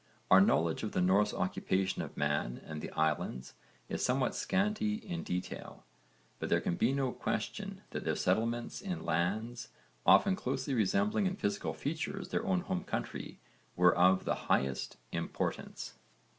Our knowledge of the Norse occupation of Man and the Islands is somewhat scanty in detail, but there can be no question that their settlements in lands often closely resembling in physical features their own home country were of the highest importance.